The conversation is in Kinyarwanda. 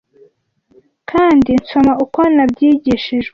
kandi nsoma uko nabyigishijwe